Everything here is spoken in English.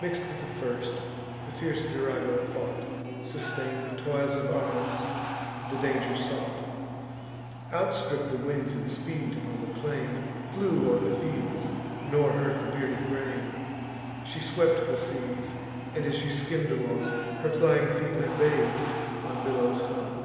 Mix'd with the first, the fierce Virago fought, Sustain'd the toils of arms, the danger sought, Outstripp'd the winds in speed upon the plain, Flew o'er the fields, nor hurt the bearded grain: She swept the seas, and, as she skimm'd along, Her flying feet unbath'd on billows hung.